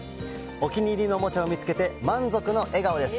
お気に入りのおもちゃを見つけて満足の笑顔です。